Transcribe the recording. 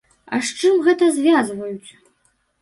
А з чым гэта звязваюць?